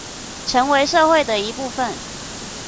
成為社會的一部分